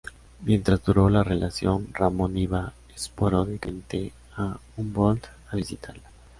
Mientras duró la relación, Ramón iba esporádicamente a Humboldt a visitarla.